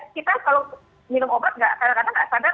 kita kalau minum obat kadang kadang nggak sadar